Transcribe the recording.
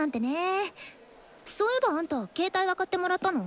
そういえばあんた携帯は買ってもらったの？